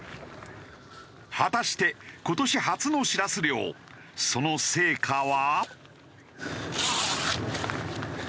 果たして今年初のしらす漁その成果は。